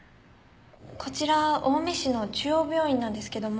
こちら青梅市の中央病院なんですけども。